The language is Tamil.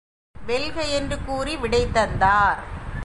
வெல்க என்று கூறி விடை தந்தார்.